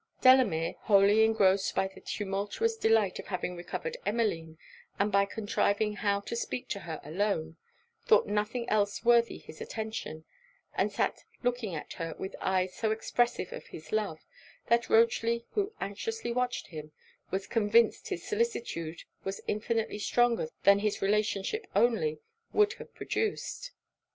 Delamere, wholly engrossed by the tumultuous delight of having recovered Emmeline, and by contriving how to speak to her alone, thought nothing else worthy his attention; and sat looking at her with eyes so expressive of his love, that Rochely, who anxiously watched him, was convinced his solicitude was infinitely stronger than his relationship only would have produced.